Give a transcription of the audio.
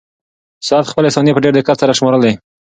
ساعت خپلې ثانیې په ډېر دقت سره شمارلې.